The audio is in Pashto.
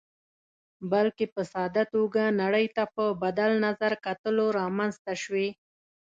بلکې په ساده توګه نړۍ ته په بدل نظر کتلو رامنځته شوې.